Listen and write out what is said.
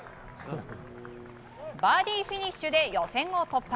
バーディーフィニッシュで予選を突破。